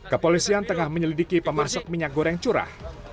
kepolisian tengah menyelidiki pemasok minyak goreng curah